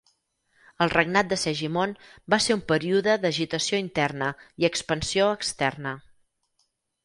El regnat de Segimon va ser un període d'agitació interna i expansió externa.